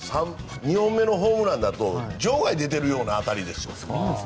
２本目のホームランは場外に出てるような当たりですよ。